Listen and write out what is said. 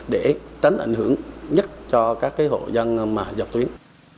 để tránh ảnh hưởng nhất cho các hộ dân